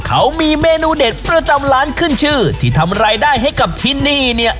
เขามีเมนูเด็ดประจำร้านขึ้นชื่อที่ทำรายได้ให้กับที่นี่เนี่ย